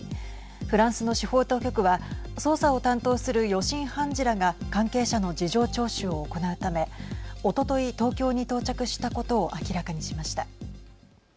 フランスの司法当局は捜査を担当する予審判事らが関係者の事情聴取を行うためおととい、東京に到着したことを明らかにしました。